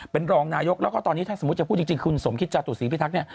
เป็นรองนายกแล้วก็ตอนนี้ถ้าสมมุติจะพูดจริงคุณสมคิตจาตุศีพิทักษ์เนี่ย